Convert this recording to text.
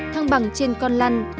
thăng bằng trên con lăn